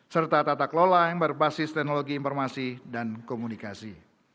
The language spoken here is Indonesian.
serta tata kelola yang berbasis teknologi informasi dan komunikasi